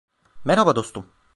Merhaba dostum.